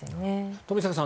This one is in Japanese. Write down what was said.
冨坂さん